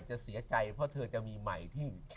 จะเสียใจเพราะเธอจะมีใหม่ที่